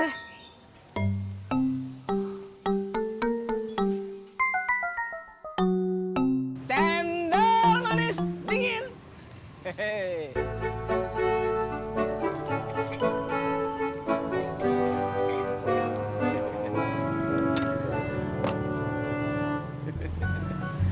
tender manis dingin